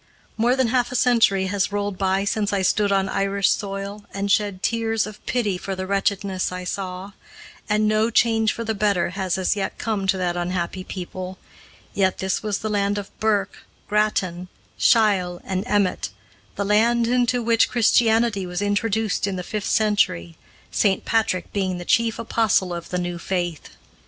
More than half a century has rolled by since I stood on Irish soil, and shed tears of pity for the wretchedness I saw, and no change for the better has as yet come to that unhappy people yet this was the land of Burke, Grattan, Shiel, and Emmett; the land into which Christianity was introduced in the fifth century, St. Patrick being the chief apostle of the new faith.